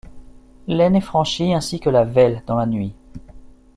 L'Aisne est franchie ainsi que la Vesle dans la nuit.